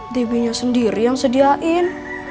db nya sendiri yang sediain